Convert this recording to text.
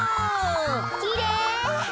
きれい！